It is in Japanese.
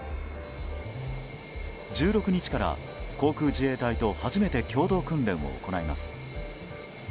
１６日から、航空自衛隊と初めて共同訓練を行います。